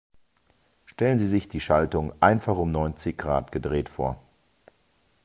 Stellen Sie sich die Schaltung einfach um neunzig Grad gedreht vor.